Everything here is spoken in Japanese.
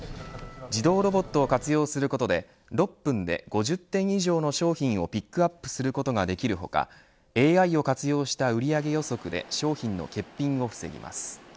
自動ロボットを活用することで６分で５０点以上の商品をピックアップすることができる他ＡＩを活用した売り上げ予測で商品の欠品を防ぎます。